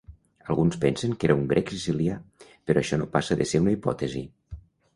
Alguns pensen que era un grec sicilià, però això no passa de ser una hipòtesi.